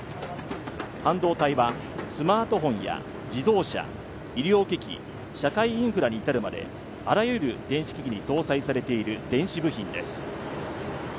半導体はスマートフォンや自動車、医療機器、社会インフラに至るまであらゆる電子機器に搭載されている電子部品です。